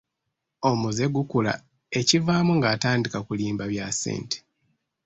Omuze gukula, ekivaamu ng'atandika kulimba bya ssente.